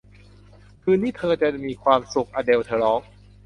คืนนี้เธอจะมีความสุข อเดล เธอร้อง